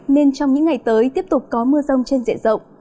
nên trong những ngày tới tiếp tục có mưa rông trên diện rộng